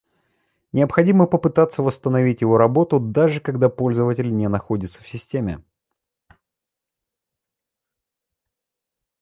Необходимо попытаться восстановить его работу даже когда пользователь не находится в системе